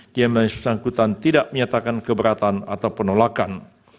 diambil sebagai sangkutan tidak menyatakan keberatan atau penolakan